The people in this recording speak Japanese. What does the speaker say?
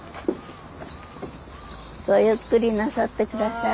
ごゆっくりなさって下さい。